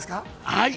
はい！